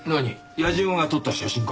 やじ馬が撮った写真か？